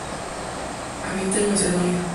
Habita en Macedonia.